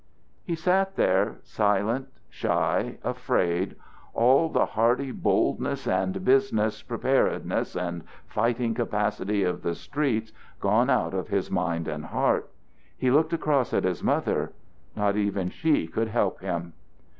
He sat there shy, silent, afraid, all the hardy boldness and business preparedness and fighting capacity of the streets gone out of his mind and heart. He looked across at his mother; not even she could help him.